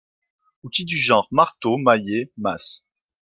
Outils du genre marteau, maillet, masse.